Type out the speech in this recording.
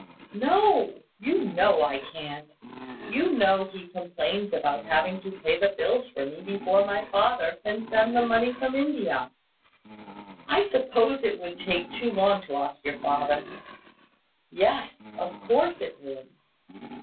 "No; you know I can't. You know he complains about having to pay the bills for me before my father can send the money from India." "I suppose it would take too long to ask your father. Yes; of course it would.